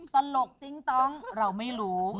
ตลกติ๊งต้องเราไม่รู้